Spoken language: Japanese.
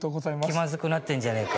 気まずくなってんじゃねえか。